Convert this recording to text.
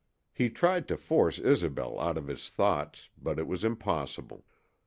He tried to force Isobel out of his thoughts, but it was impossible.